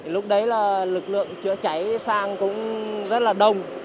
lúc đấy là lực lượng chữa cháy sang cũng rất là đông